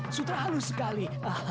sutra halus sekali